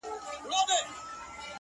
پوهېږم نه چي بيا په څه راته قهريږي ژوند؛